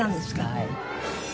はい。